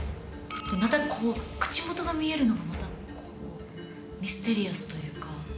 また口元が見えるのがミステリアスというか。